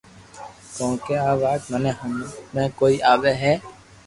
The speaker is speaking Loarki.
ڪونڪھ آ وات مني ھمگ ۾ڪوئي آوي ھي